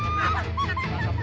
benda benda ada bos